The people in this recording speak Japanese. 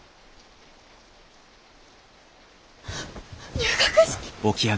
入学式！